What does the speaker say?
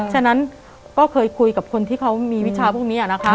ฉะนั้นก็เคยคุยกับคนที่เขามีวิชาพวกนี้นะคะ